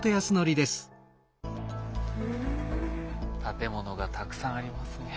建物がたくさんありますね。